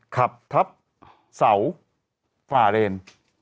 ขับทับเสาฝ่าเรน